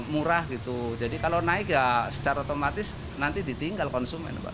murah gitu jadi kalau naik ya secara otomatis nanti ditinggal konsumen pak